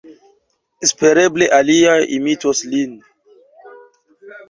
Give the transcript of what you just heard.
Espereble aliaj imitos lin!